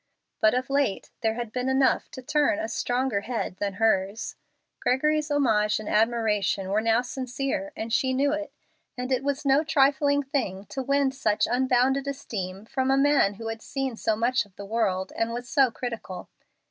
But of late there had been enough to turn a stronger head than hers. Gregory's homage and admiration were now sincere, and she knew it, and it was no trifling thing to win such unbounded esteem from a man who had seen so much of the world and was so critical.